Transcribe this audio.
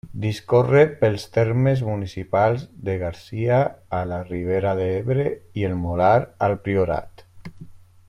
Discorre pels termes municipals de Garcia, a la Ribera d'Ebre, i el Molar, al Priorat.